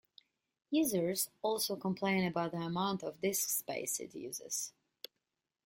Users also complained about the amount of disk space it uses.